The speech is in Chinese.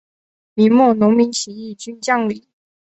明末农民起义军将领。